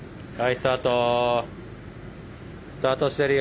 スタートしてるよ。